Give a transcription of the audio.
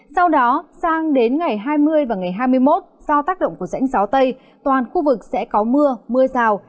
sau đó sang đến ngày hai mươi và ngày hai mươi một do tác động của rãnh gió tây toàn khu vực sẽ có mưa mưa rào